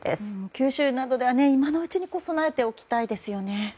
九州などでは今のうちに備えておきたいですよね。